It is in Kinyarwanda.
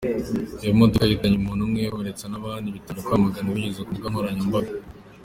Iyo modoka yahitanye umuntu umwe ikomeretsa n’abandi, bitangira kwamaganwa binyuze ku mbuga nkoranyambaga.